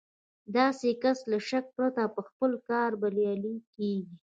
داسې کس له شکه پرته په خپل کار بريالی کېږي.